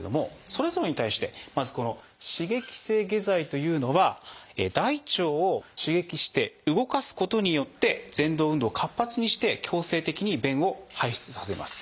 それぞれに対してまずこの刺激性下剤というのは大腸を刺激して動かすことによってぜん動運動を活発にして強制的に便を排出させます。